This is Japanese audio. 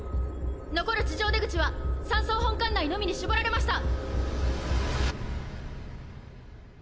残る地上出口は山荘本館内のみに絞られました。